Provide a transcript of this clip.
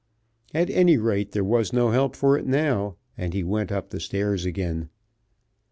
At any rate there was no help for it now, and he went up the stairs again.